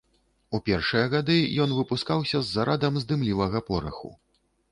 У першыя гады ён выпускаўся з зарадам з дымлівага пораху.